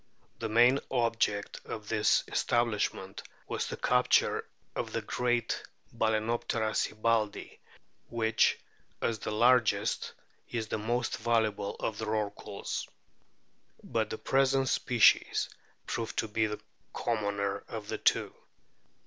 The main object of this es tablishment was the capture of the great Balanoptera sibbaldii, which, as the largest, is the most valuable of the Rorquals. But the present species proved to be the commoner of the two.